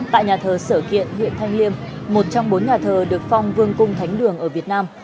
tại nhà thờ sở kiện huyện thanh liêm một trong bốn nhà thờ được phong vương cung thánh đường ở việt nam